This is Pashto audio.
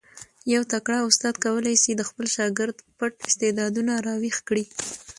یو تکړه استاد کولای سي د خپل شاګرد پټ استعدادونه را ویښ کړي.